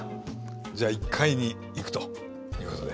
じゃあ１階に行くということで。